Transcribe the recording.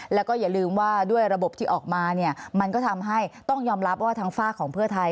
แล้วก็อย่าลืมว่าด้วยระบบที่ออกมาเนี่ยมันก็ทำให้ต้องยอมรับว่าทางฝากของเพื่อไทย